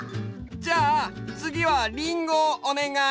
じゃあつぎはリンゴをおねがい。